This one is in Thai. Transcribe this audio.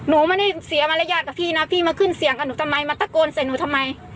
หนูไม่ได้เสียมารยาทกับพี่นะพี่มาขึ้นเสียงกับหนูทำไมมาตะโกนใส่หนูทำไม